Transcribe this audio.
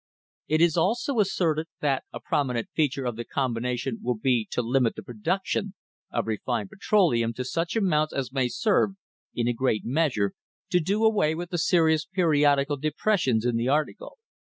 It is also asserted that a prominent feature of the combination will be to limit the production of refined petroleum to such amounts as may serve, in a great measure, to do away with the serious periodical depressions in the article.